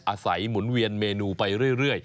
หมุนเวียนเมนูไปเรื่อย